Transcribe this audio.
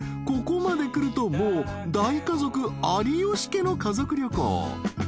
［ここまでくるともう大家族有吉家の家族旅行］